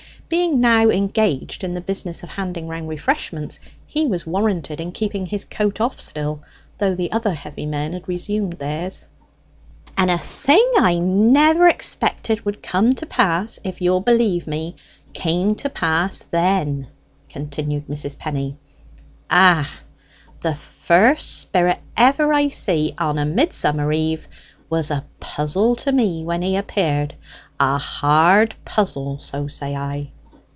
Being now engaged in the business of handing round refreshments, he was warranted in keeping his coat off still, though the other heavy men had resumed theirs. "And a thing I never expected would come to pass, if you'll believe me, came to pass then," continued Mrs. Penny. "Ah, the first spirit ever I see on a Midsummer eve was a puzzle to me when he appeared, a hard puzzle, so say I!"